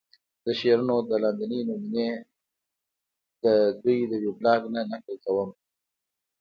د شعرونو دا لاندينۍ نمونې ددوې د وېبلاګ نه نقل کومه